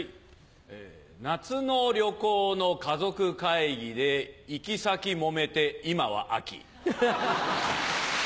夏の旅行の家族会議で行き先もめて今は秋。